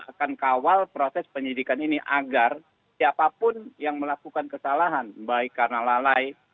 akan kawal proses penyidikan ini agar siapapun yang melakukan kesalahan baik karena lalai